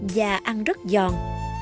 và ăn rất giòn